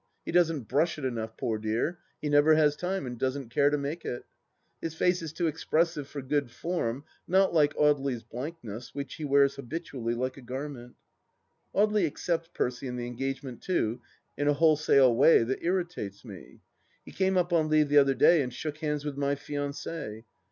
He doesn't brush it enough, poor dear ; he never has time, and doesn't care to make it. His face is too expressive for good form, not like Audely's blankness, which he wears habitually like a garment. Audely accepts Percy and the engagement, too, in a wholesale way that irritates me. He came up on leave the other day and shook hands with my fianci.